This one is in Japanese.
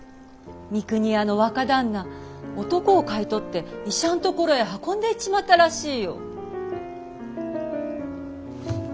三国屋の若旦那男を買い取って医者ん所へ運んで行っちまったらしいよ。